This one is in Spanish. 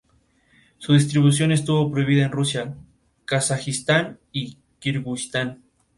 Su distribución estuvo prohibida en Rusia, Kazajistán y Kirguistán.